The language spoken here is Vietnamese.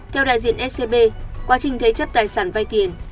theo đại diện scb quá trình thế chấp tài sản vay tiền